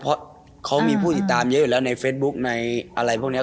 เพราะเขามีผู้ติดตามเยอะอยู่แล้วในเฟซบุ๊กในอะไรพวกนี้